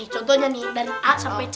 contohnya nih dari a sampai c